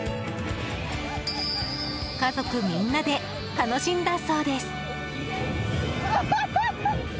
家族みんなで楽しんだそうです。